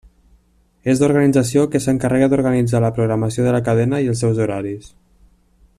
És l'organització que s'encarrega d'organitzar la programació de la cadena i els seus horaris.